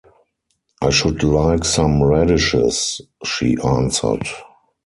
“I should like some radishes,” she answered.